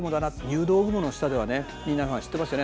入道雲の下では皆さん知ってますよね？